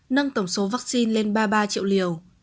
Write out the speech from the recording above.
nâng tổng số vaccine lên ba mươi ba triệu liều